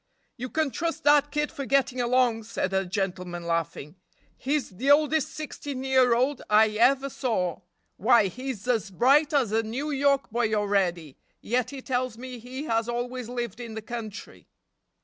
"You can trust that kid for getting along," said the gentleman laughing. "He's the oldest sixteen year old I ever saw. Why he's as bright as a New York boy already, yet he tells me he has always lived in the country."